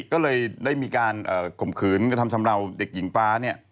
ก็เลยได้มีการข่มขืนกระทำชำราวเด็กหญิงฟ้าเนี่ย